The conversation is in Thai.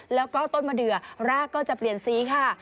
แล้วก็ต้นมะเดือรากก็จะเปลี่ยนสีค่ะ